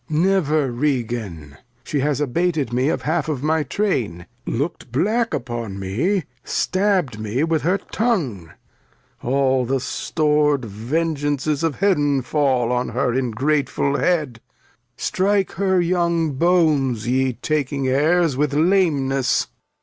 Never, Regan, She has abated me of Half my Train, Look'd black upon me, stabb'd me with her Tongue ; All the stor'd Vengeances of Heav'n faU On her Ingratef uU Head ; strike her young Bones Ye taking Ayrs with Lameness.